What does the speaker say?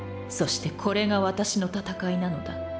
そしてこれが私の戦いなのだ。